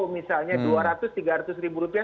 misalnya dua ratus tiga ratus ribu rupiah